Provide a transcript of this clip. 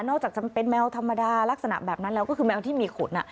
จากจะเป็นแมวธรรมดาลักษณะแบบนั้นแล้วก็คือแมวที่มีขุน